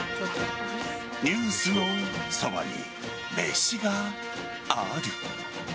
「ニュースのそばに、めしがある。」